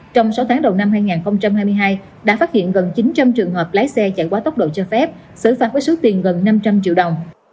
trong sáu tháng đầu năm hai nghìn hai mươi hai đã phát hiện gần chín trăm linh trường hợp lái xe chạy quá tốc độ cho phép xử phạt với số tiền gần năm trăm linh triệu đồng